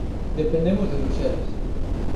Dependemos de Bruxelas.